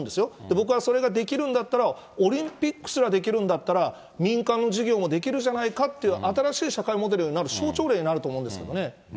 僕はそれができるんだったら、オリンピックすらできるんだったら、民間の事業もできるじゃないかという、新しい社会モデルになる象徴例になると思うんですけどね。